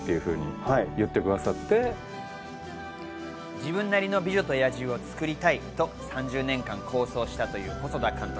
自分なりの『美女と野獣』を作りたいと３０年間、構想したという細田監督。